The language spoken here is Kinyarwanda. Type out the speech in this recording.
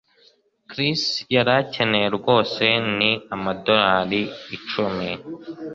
Chris yari akeneye rwose ni amadorari icumi